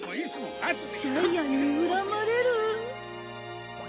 ジャイアンに恨まれる。